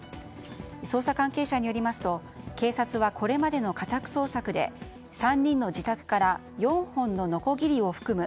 捜査関係者によりますと警察は、これまでの家宅捜索で３人の自宅から４本ののこぎりを含む